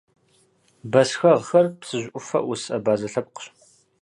Бэсхэгъхэр Псыжь ӏуфэ ӏус абазэ лъэпкъщ.